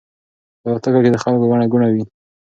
په الوتکه کې د خلکو ګڼه ګوڼه وه.